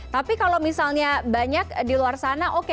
tapi kalau misalnya banyak di luar sana oke